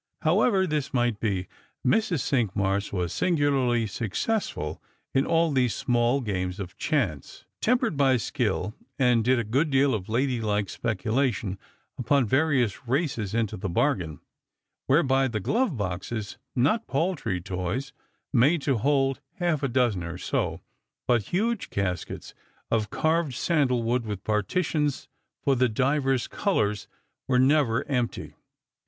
However this might be, Mrs. Cinqmars was singularly successful in all these small games of chance, trinpered by skill, and did a good deal of ladylike speculation upon various races into the bargain, whereby the glove boxes, not paltry toys made to hold half a dozen or so, but huge caskets of carved sandal wood, with partitions for the divers colours, were never empty.